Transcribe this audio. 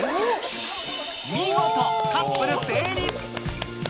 見事カップル成立。